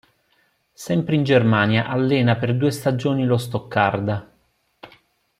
Sempre in Germania allena per due stagioni lo Stoccarda.